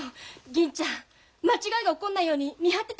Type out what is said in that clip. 銀ちゃん間違いが起こんないように見張っててよ。